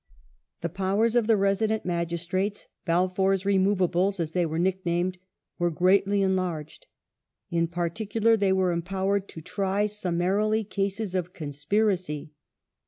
The powers of the Resident Magistrates —" Balfour's removables " as they were nicknamed — were greatly enlarged ; in particular they were empowered to try sum marily cases of conspiracy.